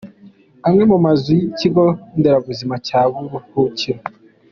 Amwe mu mazu y’ikigo nderabuzima cya Buruhukiro.